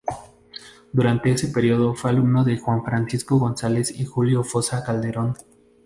Durante ese periodo fue alumno de Juan Francisco González y Julio Fossa Calderón.